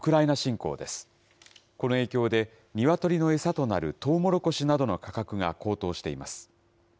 この影響で、ニワトリの餌となるとうもろこしなどの価格が高騰しています。